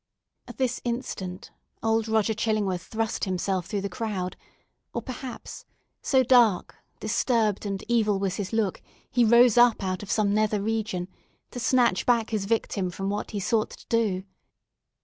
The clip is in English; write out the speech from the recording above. At this instant old Roger Chillingworth thrust himself through the crowd—or, perhaps, so dark, disturbed, and evil was his look, he rose up out of some nether region—to snatch back his victim from what he sought to do!